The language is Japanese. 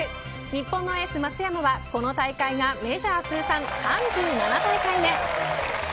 日本のエース松山は、この大会がメジャー通算３７大会目。